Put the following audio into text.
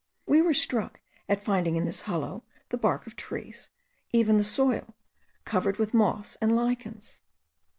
We were struck at finding in this hollow the bark of trees, and even the soil, covered with moss* and lichens.